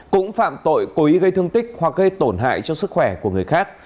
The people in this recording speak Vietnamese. cũng phạm tội cố ý gây thương tích hoặc gây tổn hại cho sức khỏe của người khác